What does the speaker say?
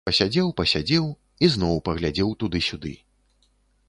Пасядзеў, пасядзеў, ізноў паглядзеў туды-сюды.